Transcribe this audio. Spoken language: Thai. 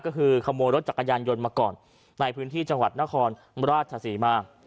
ก็คือขโมยรถจักรยานยนต์มาก่อนในพื้นที่จังหวัดนครราชศรีมา